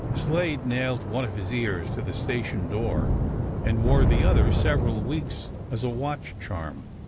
Slade nailed one of his ears to the station door and wore the other several weeks as a watch charm.